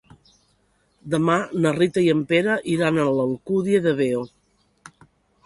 Demà na Rita i en Pere iran a l'Alcúdia de Veo.